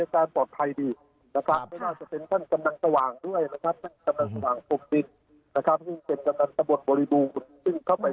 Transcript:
ซึ่งมีอาการตั้งครั้งด้วย๓๖สัปดาห์